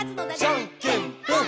「じゃんけんぽん！！」